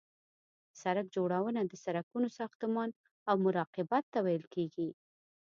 سرک جوړونه د سرکونو ساختمان او مراقبت ته ویل کیږي